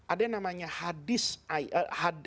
ada yang namanya hadis airnya itu juga dibagi menjadi dua